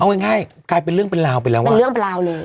เอาง่ายกลายเป็นเรื่องเป็นราวไปแล้วเป็นเรื่องเป็นราวเลย